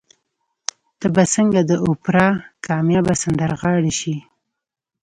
ته به څنګه د اوپرا کاميابه سندرغاړې شې؟